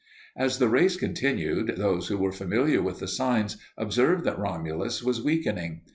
As the race continued, those who were familiar with the signs observed that Romulus was weakening.